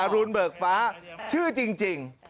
รุนเบิกฟ้าชื่อจริง